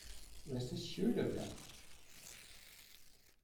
Rest assured of that!